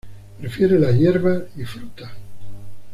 Prefiere las hierbas y frutas.